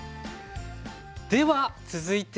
では続いて。